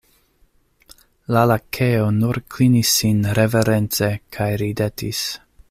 La Lakeo nur klinis sin riverence kaj ridetis.